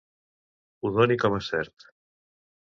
Ho doni com a cert.